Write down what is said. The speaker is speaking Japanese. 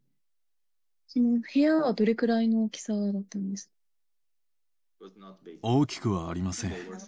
部屋はどれくらいの大きさだ大きくはありません。